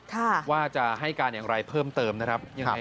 ว่าจะให้การอย่างไรเพิ่มเติมนะครับยังไง